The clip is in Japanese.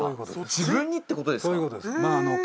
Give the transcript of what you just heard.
自分にってことですか？